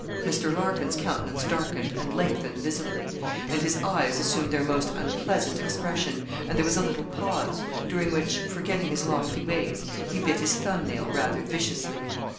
Mr. Larkin's countenance darkened and lengthened visibly, and his eyes assumed their most unpleasant expression, and there was a little pause, during which, forgetting his lofty ways, he bit his thumb nail rather viciously.